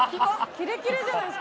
キレキレじゃないすか。